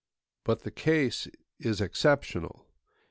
But the case is exceptional.